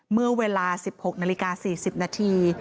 เมื่อเวลา๑๖นาฬิกา๔๐นาที